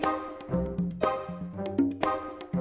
hantu nenek di mana